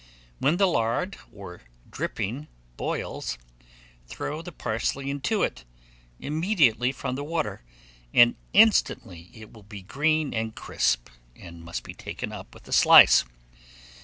When the lard or dripping boils, throw the parsley into it immediately from the water, and instantly it will be green and crisp, and must be taken up with a slice.